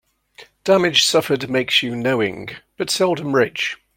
Damage suffered makes you knowing, but seldom rich.